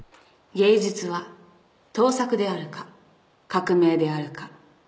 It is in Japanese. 「芸術は盗作であるか革命であるかそのいずれかだ」